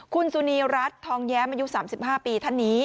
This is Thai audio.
คุณสุนีรัฐทองแย้มอายุ๓๕ปีท่านนี้